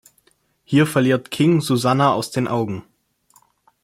Hier verliert King Susannah aus den Augen.